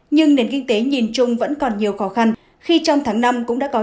nhưng nền kinh tế nhìn chung vẫn còn nhiều khó khăn khi trong tháng năm cũng đã có